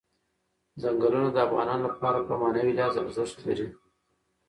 چنګلونه د افغانانو لپاره په معنوي لحاظ ارزښت لري.